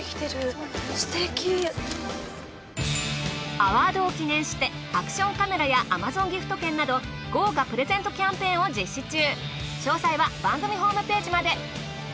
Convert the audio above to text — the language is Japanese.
アワードを記念してアクションカメラやＡｍａｚｏｎギフト券など豪華プレゼントキャンペーンを実施中。